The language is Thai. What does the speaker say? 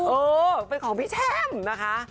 เออเป็นของพี่แช่มนะคะ